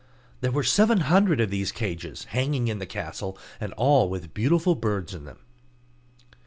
There were seven hundred of these cages hanging in the castle, and all with beautiful birds in them.